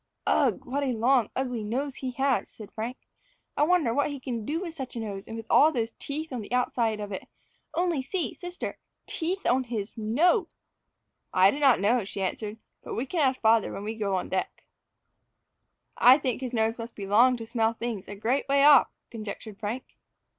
"Ugh! what a long ugly nose he has," said Frank. "I wonder what he can do with such a nose, and with all those teeth on the outside of it only see, sister, teeth on his NOSE!" "I do not know," she answered, "but we can ask father when we go on deck." "I think his nose must be long to smell things a great way off," conjectured Frank.